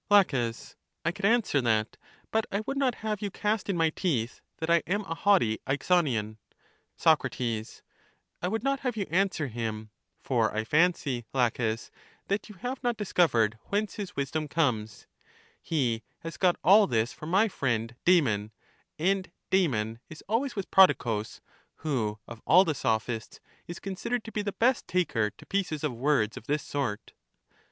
La. I could answer that; but I would not have you cast in my teeth that I am a haughty Aexonian. Soc, I would not have you answer him, for I fancy, Laches, that you have not discovered whence his wis dom comes; he has got all this from my friend Damon, and Damon is always with Prodicus, who, of all the Sophists, is considered to be the best taker to pieces of words of this sort.